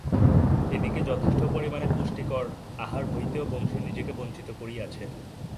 এ দিকে যথেষ্ট পরিমাণে পুষ্টিকর আহার হইতেও বংশী নিজেকে বঞ্চিত করিয়াছে।